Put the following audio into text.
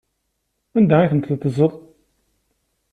Anda ay tent-teddzeḍ?